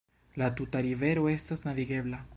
La tuta rivero estas navigebla.